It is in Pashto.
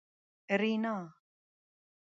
رینا